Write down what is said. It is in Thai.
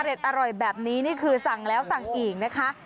อร่อยแบบนี้นี่คือสั่งแล้วสั่งอีกนะคะ